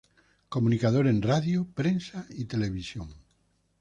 Comunicador en radio, prensa y televisión.